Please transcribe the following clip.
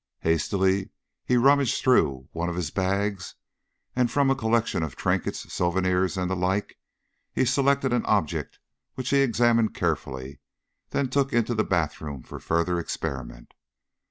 Hastily he rummaged through one of his bags, and from a collection of trinkets, souvenirs, and the like he selected an object which he examined carefully, then took into the bathroom for further experiment.